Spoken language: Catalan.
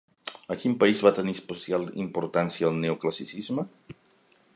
A quin país va tenir especial importància el neoclassicisme?